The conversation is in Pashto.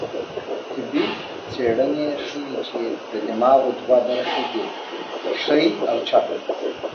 طبي څېړنې ښيي، چې د دماغو دوه برخې دي؛ ښۍ او چپه